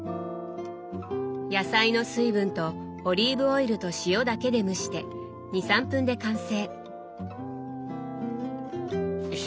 野菜の水分とオリーブオイルと塩だけで蒸して２３分で完成！